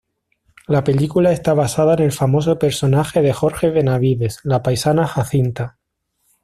La película está basada en el famoso personaje de Jorge Benavides, La paisana Jacinta.